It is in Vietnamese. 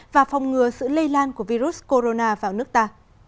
và phòng ngừa sự lây lan của virus corona vào nước ta